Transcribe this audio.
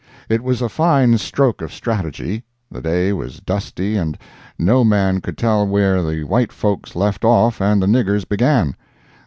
It was a fine stroke of strategy—the day was dusty and no man could tell where the white folks left off and the niggers began.